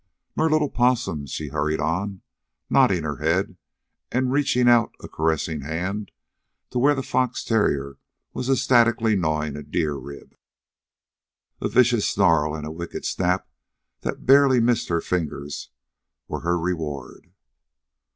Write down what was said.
"Nor little Possums," she hurried on, nodding her head and reaching out a caressing hand to where the fox terrier was ecstatically gnawing a deer rib. A vicious snarl and a wicked snap that barely missed her fingers were her reward.